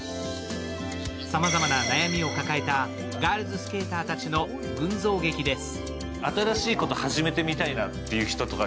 さまざまな悩みを抱えたガールズスケーターたちの群像劇です。